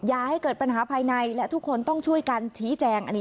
อย่าให้เกิดปัญหาภายในและทุกคนต้องช่วยกันชี้แจง